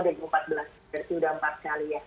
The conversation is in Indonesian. jadi sudah empat kali ya